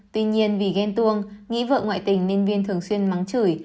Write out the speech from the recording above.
tuy nhiên vì ghen tuông nghĩ vợ ngoại tình nên viên thường xuyên mắng chửi